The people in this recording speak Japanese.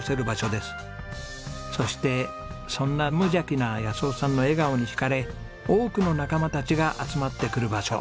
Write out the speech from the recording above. そしてそんな無邪気な夫さんの笑顔に引かれ多くの仲間たちが集まってくる場所。